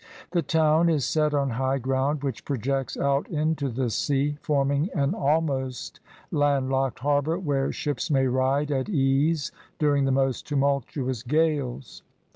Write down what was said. The town is set on high ground which projects out into the sea, forming an aknost landlocked harbor where ships may ride at ease during the most tumultuous gales.